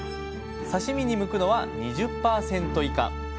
刺身に向くのは２０％以下。